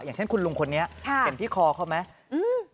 อย่างเช่นคุณลุงคนนี้เห็นที่คอเขาไหม